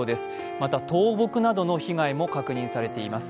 また、倒木などの被害も確認されています。